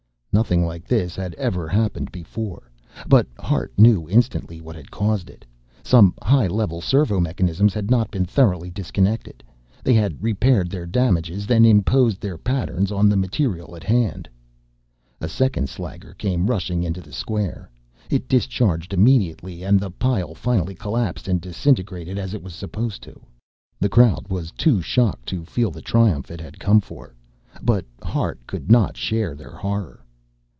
Nothing like this had ever happened before. But Hart knew instantly what had caused it. Some high level servo mechanisms had not been thoroughly disconnected. They had repaired their damages, then imposed their patterns on the material at hand. A second slagger came rushing into the square. It discharged immediately; and the pile finally collapsed and disintegrated as it was supposed to. The crowd was too shocked to feel the triumph it had come for, but Hart could not share their horror.